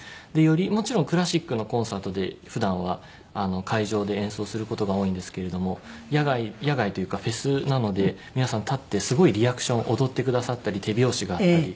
もちろんクラシックのコンサートで普段は会場で演奏する事が多いんですけれども野外野外というかフェスなので皆さん立ってすごいリアクション踊ってくださったり手拍子があったり。